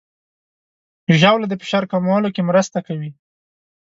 ژاوله د فشار کمولو کې مرسته کوي.